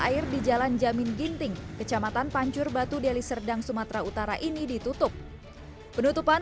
air di jalan jamin ginting kecamatan pancur batu deli serdang sumatera utara ini ditutup penutupan